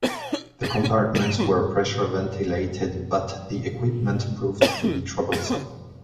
The compartments were pressure-ventilated but the equipment proved to be troublesome.